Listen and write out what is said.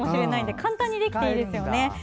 簡単にできていいですよね。